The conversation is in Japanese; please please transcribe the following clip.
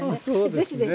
是非是非。